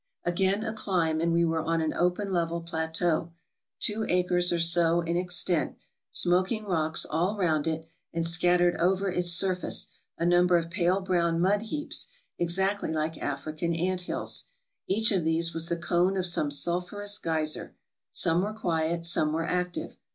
Again a climb, and we were on an open level plateau, two acres or so in extent, smoking rocks all round it, and, scattered over its surface, a number of pale brown mud heaps, exactly like African ant hills. Each of these was the cone of some sulphurous geyser. Some were quiet, some were active.